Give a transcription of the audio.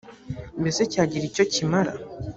mbese cyagira icyo kimara.